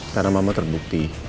karena mama terbukti